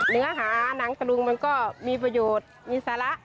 เนื้อหาหนังตะลุงมันก็มีประโยชน์มีสาระ